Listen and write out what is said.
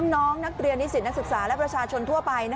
น้องนักเรียนนิสิตนักศึกษาและประชาชนทั่วไป